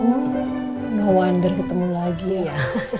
oh no wonder ketemu lagi ya